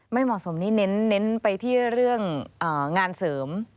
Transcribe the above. ไม่เหมาะสมนี่เน้นไปที่เรื่องงานเสริม